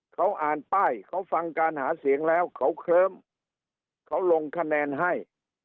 เขาอ่านป้ายเขาฟังการหาเสียงแล้วเขาเคลิ้มเขาลงคะแนนให้